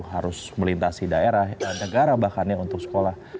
harus melintasi daerah negara bahkan ya untuk sekolah